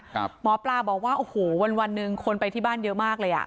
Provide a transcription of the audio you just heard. หมอปลาบอกว่าโอ้โหวันวันหนึ่งคนไปที่บ้านเยอะมากเลยอ่ะ